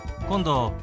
「今度」。